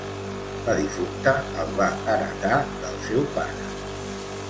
La difunta el va heretar del seu pare.